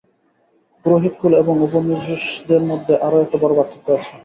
পুরোহিতকুল এবং উপনিষদের মধ্যে আর একটি বড় পার্থক্য আছে।